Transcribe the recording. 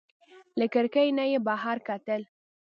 له کړکۍ نه یې بهر کتل.